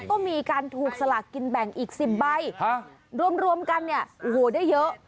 ก็มีการถูกสลากกินแบ่งอีก๑๐ใบรวมกันเนี่ยโอ้โหได้เยอะ